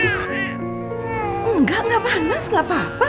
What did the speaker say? enggak enggak panas lah papa